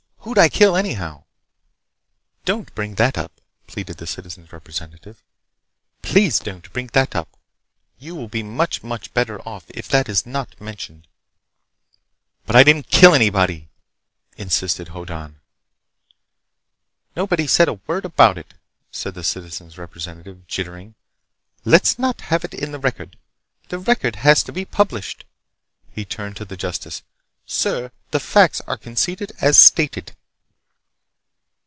Who'd I kill, anyhow?" "Don't bring that up!" pleaded the Citizen's Representative. "Please don't bring that up! You will be much, much better off if that is not mentioned!" "But I didn't kill anybody!" insisted Hoddan. "Nobody's said a word about it," said the Citizen's Representative, jittering. "Let's not have it in the record! The record has to be published." He turned to the justice. "Sir, the facts are conceded as stated."